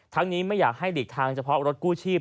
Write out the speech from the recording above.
นี้ไม่อยากให้หลีกทางเฉพาะรถกู้ชีพ